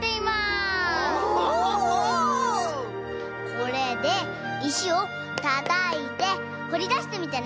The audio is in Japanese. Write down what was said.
これでいしをたたいてほりだしてみてね。